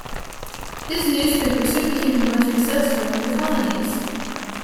His newspaper soon became the most successful in the colonies.